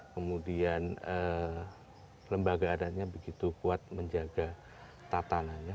kemudian lembaga adatnya begitu kuat menjaga tatanannya